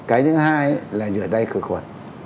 cái thứ hai là rửa tay khởi khuẩn